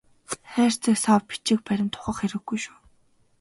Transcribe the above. Хайрцаг сав бичиг баримт ухах хэрэггүй шүү.